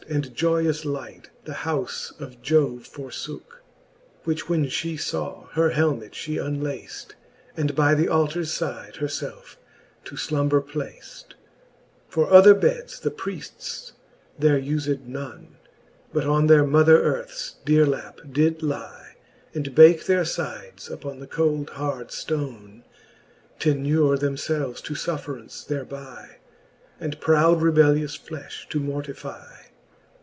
And joyous light the houfe of "Jove forfboke : Which when fhe faw, her helmet fhe unlafte,. And by the altars fide her felfe to flumbcr plafte* IX. Fop 104 7he fifth Booke of Canto VI L IX. For other beds the priefts there ufed none, But on their mother earths deare lap did lie, And bake their fides uppon the cold hard ftonc, T'enure themfelves to fufFeraunce thereby. And proud rebellious flefh to mortify.